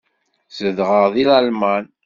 Zedɣeɣ deg Lalman.